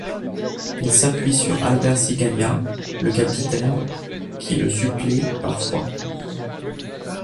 Il s'appuie sur Albert Cigagna, le capitaine, qui le supplée parfois.